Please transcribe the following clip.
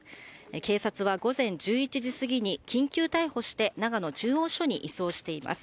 警察は午前１１時過ぎに緊急逮捕して、長野中央署に移送しています。